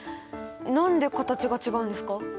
何で形が違うんですか？